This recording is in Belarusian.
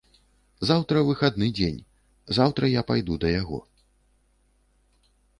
Заўтра выхадны дзень, заўтра я пайду да яго.